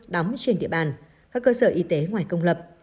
đóng trên địa bàn các cơ sở y tế ngoài công lập